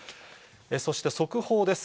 そして、速報です。